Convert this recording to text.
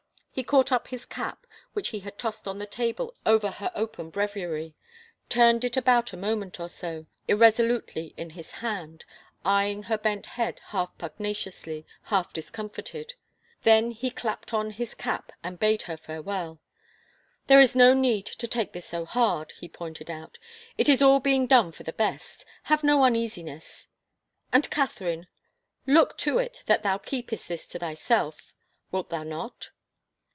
He caught up his cap, which he had tossed on a table over her open breviary, turned it about a moment or so, irresolutely in his hand, eyeing her bent head half pugnaciously, half discomfited. Then he clapped on his cap and bade her farewell. There is no need to take this so hard," he pointed out. It is all being done for the best. Have no uneasi ness. ... And Catherine, look to it that thou keepest this to thyself — wilt thou not